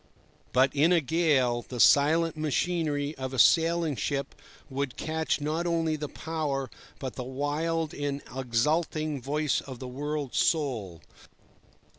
But in a gale, the silent machinery of a sailing ship would catch not only the power, but the wild and exulting voice of the world's soul.